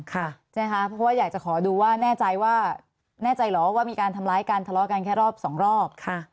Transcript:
เพราะว่าอยากจะขอดูว่าแน่ใจว่าแน่ใจเหรอว่ามีการทำร้ายกันทะเลาะกันแค่รอบสองรอบ